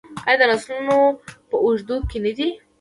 آیا د نسلونو په اوږدو کې نه دی؟